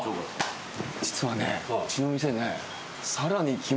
実はねうちの店ね。